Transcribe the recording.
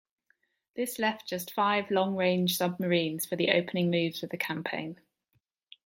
This left just five long-range submarines for the opening moves of the campaign.